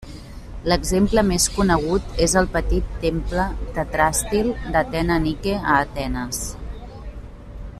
L'exemple més conegut és el petit temple tetràstil d'Atena Nike a Atenes.